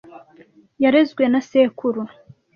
Yarezwe na sekuru.